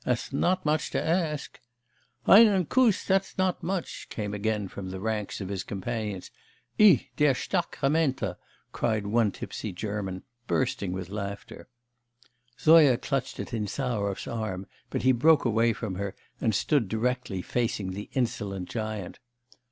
That's not much to ask.' 'Einen Kuss, that's not much,' came again from the ranks of his companions, 'Ih! der Stakramenter!' cried one tipsy German, bursting with laughter. Zoya clutched at Insarov's arm, but he broke away from her, and stood directly facing the insolent giant.